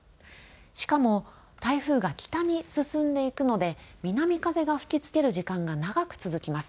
しかも台風が北に進んでいくので南風が吹きつける時間が長く続きます。